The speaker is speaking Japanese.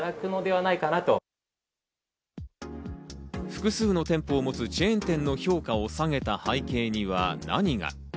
複数の店舗を持つチェーン店の評価を下げた背景には何が？